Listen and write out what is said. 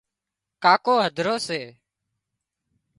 ڪاڪو هڌرو سي